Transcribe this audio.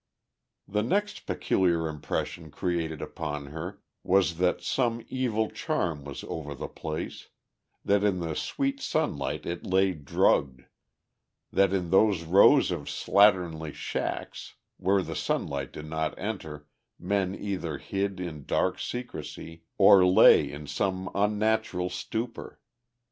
The next peculiar impression created upon her was that some evil charm was over the place, that in the sweet sunlight it lay drugged, that in those rows of slatternly shacks where the sunlight did not enter men either hid in dark secrecy or lay in some unnatural stupour.